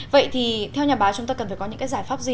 vậy thì theo nhà báo chúng ta cần phải có những cái giải pháp gì